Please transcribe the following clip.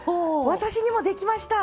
私にもできました。